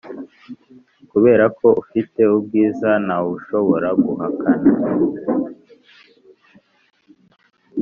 kuberako ufite ubwiza ntawushobora guhakana.